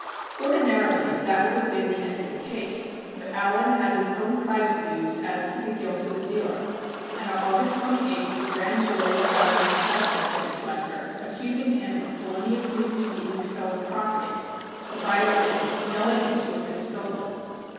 Ordinarily that would have been the end of the case, but Allen had his own private views as to the guilt of the dealer and on August 28th the Grand Jury filed an indictment against Flechter accusing him of feloniously receiving stolen property the violin knowing it to have been stolen.